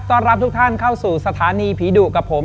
รับทุกท่านเข้าสู่สถานีผีดุกับผม